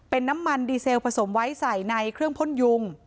เป็นน้ำมันดีเซลผสมไว้ใส่ในเครื่องพ่นยุง